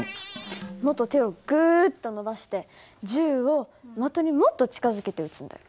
もっと手をグッと伸ばして銃を的にもっと近づけて撃つんだよ。